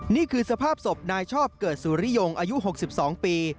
นี่คือสภาพศพนายชอบเกิดสุริยงอายุ๖๒ปี